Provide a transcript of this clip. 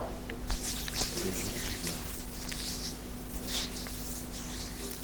Des gens bizarres.